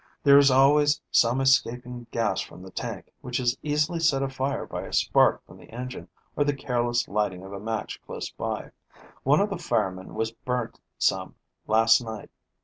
There is always some escaping gas from the tank, which is easily set afire by a spark from the engine or the careless lighting of a match close by. One of the firemen was burnt some last night.